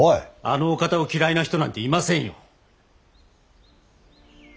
あのお方を嫌いな人なんていませんよ。